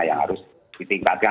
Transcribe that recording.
yang harus ditingkatkan